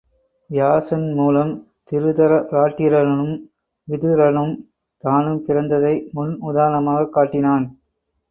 வியாசன் மூலம் திருதராட்டிரனும் விதுரனும் தானும் பிறந்ததை முன் உதாரணமாகக் காட்டினான்.